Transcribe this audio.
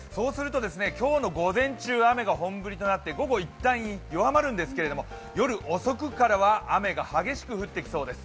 今日の午前中、雨が本降りとなって午後一旦弱まるんですけれども夜遅くからは雨が激しく降ってきそうです。